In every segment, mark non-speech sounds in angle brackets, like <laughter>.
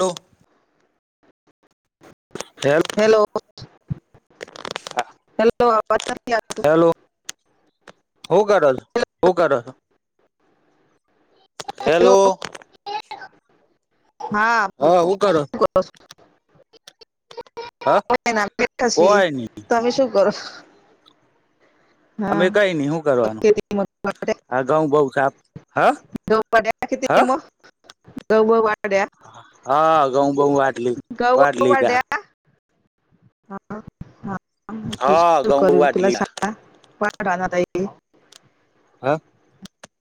તો હેલો. <unintelligible> હા. હેલો અવાજ નથી આવતો હેલો હું કરે છે? હેલો શું કરો છો હેલો? હા બોલો હું કરો શુ <unintelligible> હા કોઈ <unintelligible> નહી કર અમે કઈ નહી શું કરવાનું ખેતીમાં ઘઉં વાઢ્યા? આ ઘઉં બઉ સાફ હા હા! બ બ વા હા ઘઉ બઉ વાડ લી ઘઉં વાડ બહુ લીધા વાઢ્યા હા હા બીજું હા શું ઘઉં કર્યું વાળી પેલા લીધા સાડા <inaudible> હા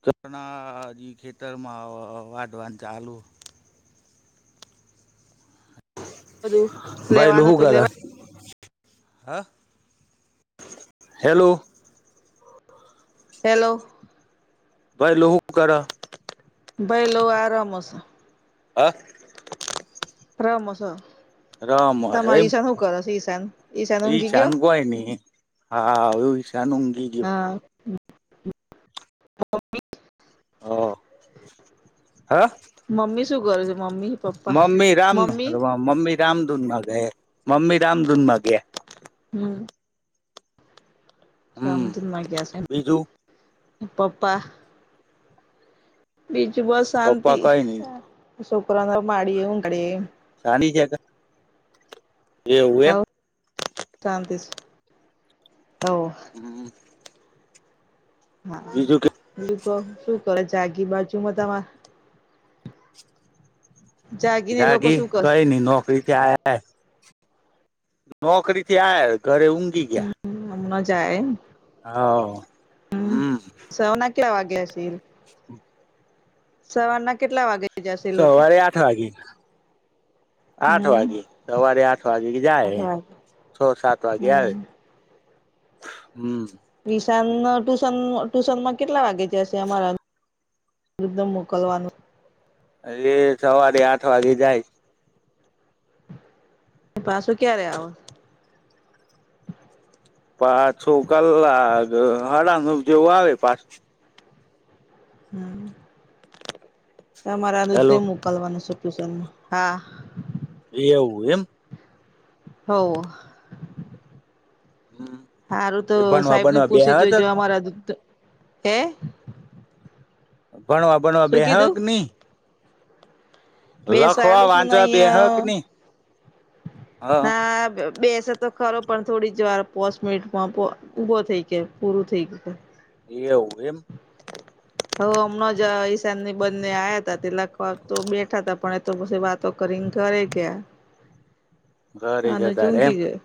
કરણાજી ખેતરમાં વાડવાનું ચાલુ બધું લેવાનું તુ લેવાય હ હેલો હેલો ભયલુ હુ કરે? ભાઈલો આરામમાં છે હા <unintelligible> રમે છે. રમે હે એમ <inaudible> ઊંઘી ગયો ઇશાન કોય નઈ હા એવું ઈશાન ઊંઘી ગયો <inaudible> હા હા મમ્મી શું કરે છે મમ્મી પપ્પા મમ્મી રામધૂન મમ્મી કરવા મમ્મી રામધૂનમાં ગયે મમ્મી રામધૂનમાં ગયા હા હમ રામધૂનમાં ગયા છે એમ બીજું અ પપ્પા બીજુ બીજુ બસ પપ્પા શાંતિ કઈ નઈ છોકરાઓ ને તો મારીને ઊંઘાડીયે સાની <inaudible> એવું એમ હવ શાંતિ છે હવ હા બીજું કે બીજુ શું કરે જાગી બાજુમાં તમારે જાગી કઈ નહી નોકરીથી આયા નોકરી થી આયા ઘરે ઊંઘી ગયા આયા એમ હવ હમ સવારના કેટલા વાગ્યા જાએ એ સવારના કેટલા વાગે જશે એ લોકો સવારે આઠ વાગે આઠ હમ વાગે સવારે આઠ વાગે જાય આઠ વાગે છ સાત વાગે આવે હમ હમ્મ ટુશન ટુશન માં કેટલા વાગે સે અમારા વિુદ્ધ મોકલવાનું સવારે આઠ વાગે જાય પાછું ક્યારે આવે પાછો કલાક હાડા નવ જેવું આવે પાછ હમ્મ તમારા અનુજ ને હેલો મોકલવાનુ છે હા એ એવું એમ હો હમ હારું તો એ ભણવા સાહેબ ને બણવા પૂછી બેહ્યા જો તક જો અમારા દુધ હે ભણવા ભણવા બે શું હક કીધું નહી લખવા બેસાડું છું ને વાંચવા બેહક અહિયાં ની હ ના બેસે તો ખરો પણ થોડી જ વાર પોચ મિનિટમાં પો ઊભો થઈ ગયો પૂરું થઈ ગયું એવું એમ હ હમણાં જ ઈશાન ની બંને આયા હતા તે લખવા તો બેઠા હતા પણ એ તો પછી વાતો કરીને ઘરે ગયા ઘરે જ અને તારે એમ ચૂકી ગયો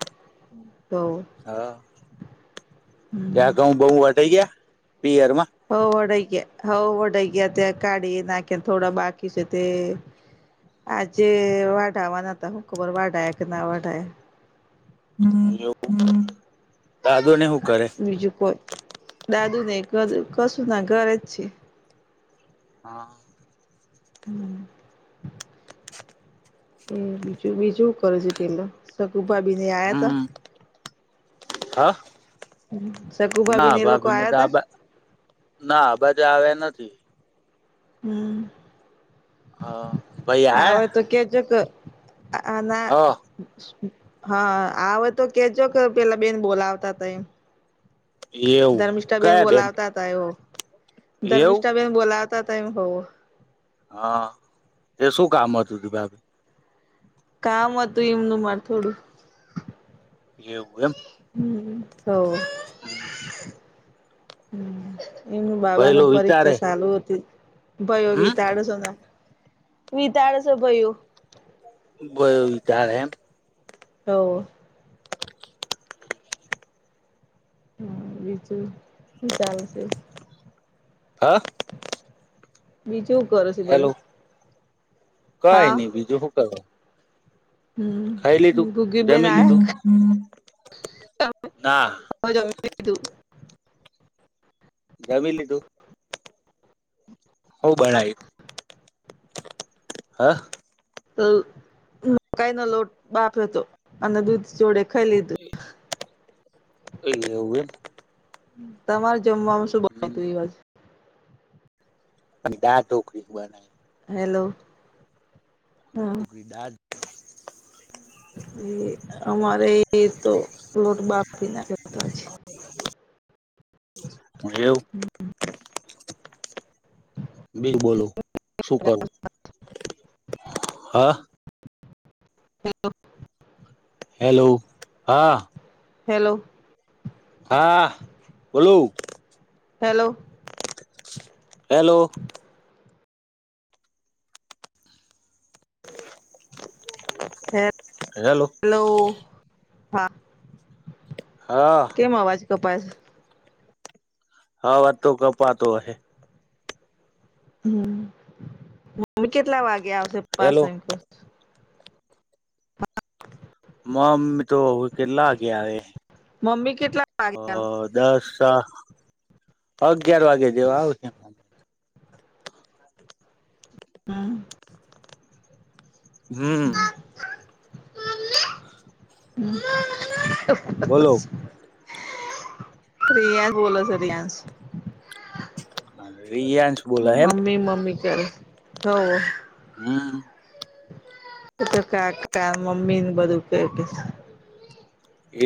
તો હા ત્યાં ઘઉ બહ વટાઈ ગયા પિયરમાં હો વાડાઈ હઉ વડાઈ ગયા ત્યાં કાઢી નાખી થોડા બાકી છે તે આજે વાઢાવાના હતા હું ખબર વાઢયા કે ના વઢયા એવુ દાદુને હું કરે બીજું કોઈ દાદુ કશું ના ધરે છે હા હમ્મ એ બીજું બીજું કરે છે પેલા સુભા બીને આયા હતા હમ હા ના ને એ લોકો ભાભીને આયા તો આ તા બા ના આ બાાજુ આવ્યા નથી હમ્મ હ ભઈ આયા ના હા આવે તો કેજો કે પેલા બેન બોલાવતા હતા એ હ એવું ધર્મિષ્ઠાબેન કયા બેન બોલાવતા હતા એવુ એવું ધર્મિષ્ઠાબેન બોલા <unintelligible> હોવ હા એ શું કામ હતું તું ભા કામ હતું એમનું માર થોડું એવું એમ હમ્મ હો હમ્મ હમ્મ એમનું બાબાના પરીક્ષા વિચારે ચાલુ હતી ભયોવી હમ તાડે શોના વિ તાડસ ભયુ બ વિચારે એમ હો હા બીજું હું ચાલશે હા બીજું કરો છો બધા કઈ હા નઈ બીજું હું કરો હમ ગુગીબેન જમી લીધું આયા ના જમી લીધું હું બણાય હ કઈ ન લોટ બાફ્યો હતો અને દૂધ જોડે ખય લીધું એમ તમાર જમવાવામાં શું બના એ તુ આજ દાળઢોકળી બનાઈ હેલો હા નોકરી દાળ એ અમારે એ તો લોટ બાફી નાખ્યો હતો આજ <inaudible> હા એવું બિર બોલો શું કરું? હા હેલો હેલો હા. હેલો હા બોલો હેલો હેલો હે હેલો હલો હા હા કેમ અવાજ કપાય છ હા અવાજ તો કપાતો અહે હમમ મમ્મી કેટલા વાગે આવશે પાસ હેલો એમ કવ છું મમ્મી તો કેટલા વાગે આવે મમ્મી કેટલા હ વાગે અ આવે દસ અચ્છા તદ અગિયાર વાગે જેવા આવશે હ અ હમમ મમ્મી હમમ બોલો મમ્મા <inaudible> રિયાસ બોલે છે રિયાસ. રિયાંશ બોલાય એમ મમ્મી મમ્મી કરે હો હમમ એ તો કાકા, મમ્મી ને બધું કે કે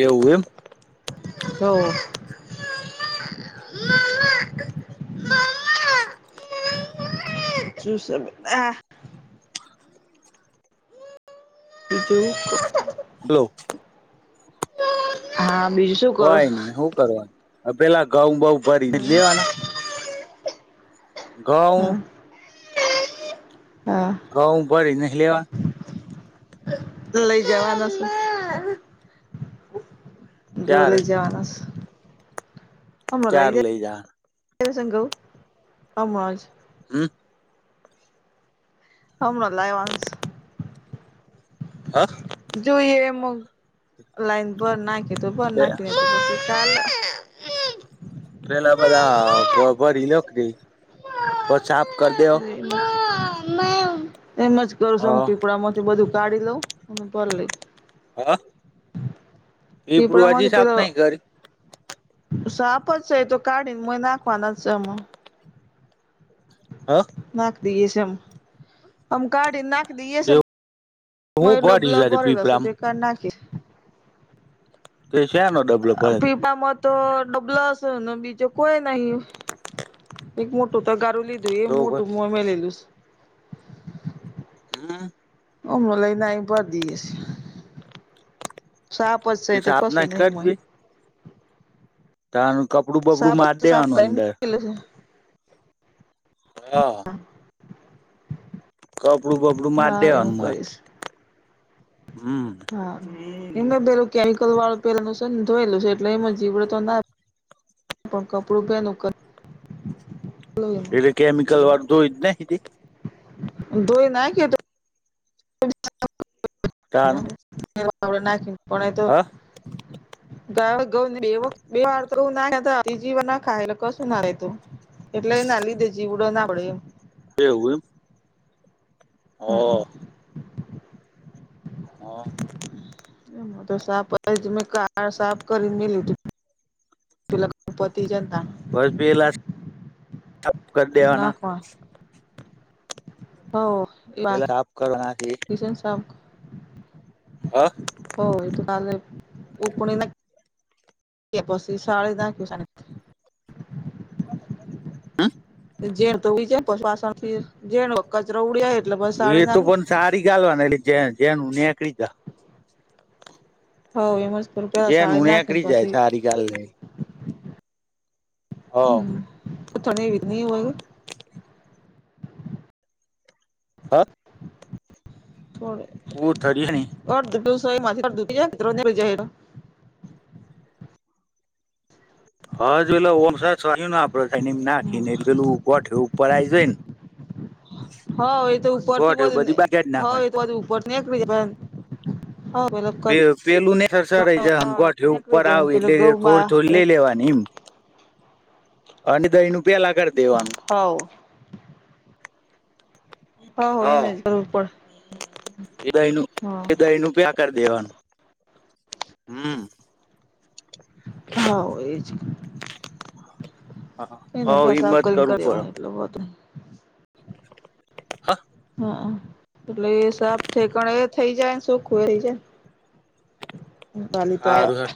એવું એમ હોવ મમ્મા મમ્મા મમ્મા મમ્મા મમ્મા શું છે બેટા? <inaudible> બ્લું મમ્મા હા બીજું શું કરો કોય છો નહી હું કરવાનું? અ પેલા ઘઉં બઉ ભરી ની લેવાના હા ઘઉ હા ઘઉ ભરી ને લેવા. તો લઈ જવાનો શે. ચાર લઈ જવાનાસ ચાર લઈ જા. <inaudible> સંગો અમજ હમ અમણા લાવ્યાસ. હા? જોઈએ? એમ લાઈન પર નાખી, એ તો બર નાખી હ પેલા બધા હા ભરી લયો ે <inaudible> પછા આપ કર દેહો સમ <unintelligible> એમ જ કરું છું. એમ પીપળા માંથી બધું. ગાડી લો અને કર લશ. હા. પીપળા ટીપડું હજી સાફ નહી કરી. સાફ જ છે. એ તો કાઢીને મ નાખવાના છે આમા. હા. નાખી દઈે છે એમ, આમ કાઢીને નાખી દઈયે છે. મય હું ભર્યું ડબલા સાથે ભરેલા છે. પીપરામ તે કાઢ તે નાખીશ. તે શેનો ડબલો ભરે પીપામાં તો ડબલો હશે ને, બીજો કોઈ નહી. એક મોટો તગા. લીધું એ તો મોટું મો મે મેલેલું. હમ. હમ લ <inaudible> નાહી ભરદીશે. સાફ છે તે એ તો સાફ કસું ના નહી હોય. ત્યાં નું. કપડું બપડું સાપ મારી જ સાપ દેવાનું કરી અંદર. મૂકેલું છે હા! કપડું બપડું મારી હા એવું દેવાનું મ. કરીશ હમ. ! હા એમે પેલું કેમિકલ વાળું પહેલું છે ને ધોયેલું છે એટલે એમાં જીવડ તો ના પણ કપડું પહેન. એટલે કેમિકલ વાધું જ ને. ધોઈ નાખ કે તો <inaudible> કારણ. એ આપડ નાખી. પણ એ તો. બે વ બે વાર તો નાખ જીવ ના ખાય એટલે કશું ના રહેે તું એટલે એ ના લીધે જીવડો ના પડે એમ. કે એવું એમ. હા. હા. તો સા મે કાર સાફ કરી મે લી ત પેલા પતિ જ. બસ પી એલા. તપ કર દેવાના. હ. પેલા આપ કરવા નાખી. <inaudible> હો એ તો કાલે ઉપણીક <inaudible> એ પશી શાળી નાખીસ <inaudible> અ જેેમ તો <unintelligible> પાછળથી જેણો કચરો ઉડીયા એ તો પણ સારી જાલવાના જે જેનું નેકળીતા હો એમજ જેનું નેકળી જાય છારી ગાલ લઈ હમ્મ <unintelligible> ની હોય ને <inaudible> હા અ થોડે <inaudible> કોથળીની <unintelligible> <inaudible> <unintelligible> હા જોઈલે ઓમ <unintelligible> <unintelligible> નાખી ને પેલું ગોઠયું પરરાય જોઈન હવ એ તો ઉપર થી બધુંને બધી બાકી જ હવ એ નાખવાની તો બધું ઉપરથી નીકળી જાય હો પેલો કચરો પે-પેલું ને સરસા રહી જાયહ અન ગોઠયું નીકળી ઉપર આવ જાય પેલો એટલે ગૌ બા થોડી થોડી લઈ લેવાની ઈમ અને ત ઈનું પેલા કરી દેવાનું. હવ હવ હા. એને જ કરવું પડે એ દઈનું કે દઈનું પેક કર દેવાનું હમમ. હવ એ જ હ એને પેસાબ હિંમત કરીને કરવું કર્યો પડે હોય એટલો બધો નહી. હ અ આહ એટલે એ સાફ ઠેકાણે એ થઈ જાયન સોખું રઈ જાય. વાલી તો આયા હારું હેડ